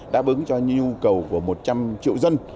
đáp ứng cho nhu cầu của một trăm linh triệu dân